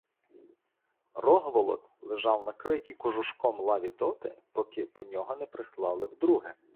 Рогволод лежав на критій кожушком лаві доти, поки по нього прислали вдруге.